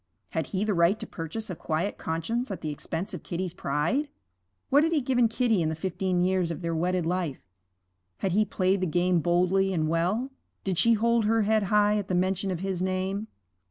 Had he the right to purchase a quiet conscience at the expense of Kitty's pride? What had he given Kitty in the fifteen years of their wedded life? Had he played the game boldly and well? Did she hold her head high at the mention of his name?